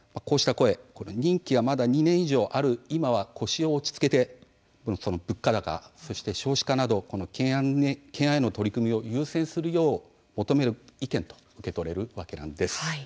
任期がまだ２年以上ある今は腰を落ち着けて物価高、そして少子化など懸案への取り組みを優先するよう求める意見と受け取れるわけなんです。